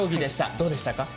どうでしたか？